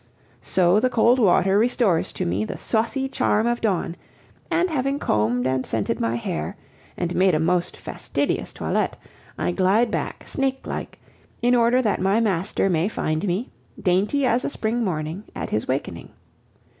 So the cold water restores to me the saucy charm of dawn, and, having combed and scented my hair and made a most fastidious toilet, I glide back, snake like, in order that my master may find me, dainty as a spring morning, at his wakening.